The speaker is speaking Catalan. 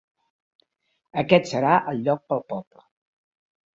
Aquest serà el lloc pel poble.